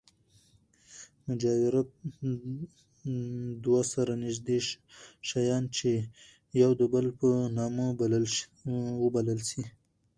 مجاورت دوه سره نژدې شیان، چي يو د بل په نامه وبلل سي.